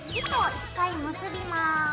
糸を１回結びます。